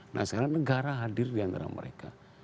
nah sekarang negara hadir diantara mereka